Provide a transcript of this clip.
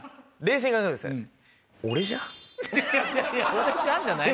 「俺じゃん」じゃないねん。